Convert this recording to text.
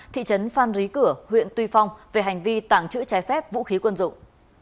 thị trấn phan rí cửa huyện tuy phong về hành vi tàng trữ trái phép vũ khí quân dụng